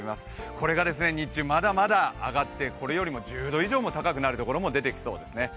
これが日中まだまだ上がってこれよりも１０度以上高くなるところも出てきそうですね。